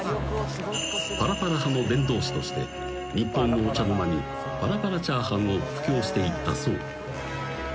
［パラパラ派の伝道師として日本のお茶の間にパラパラチャーハンを布教していったそう］